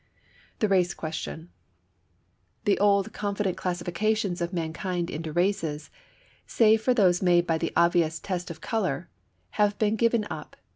The Race Question. The old confident classifications of mankind into races, save for those made by the obvious test of color, have been given up.